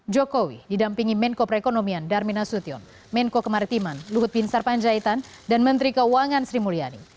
jokowi didampingi menko perekonomian darmin nasution menko kemaritiman luhut pinsar panjaitan dan menteri keuangan sri mulyani